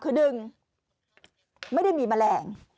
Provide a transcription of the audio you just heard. คือหนึ่งไม่ได้มีแมลง